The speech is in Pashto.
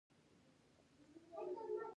ایا زه باید چرس وڅکوم؟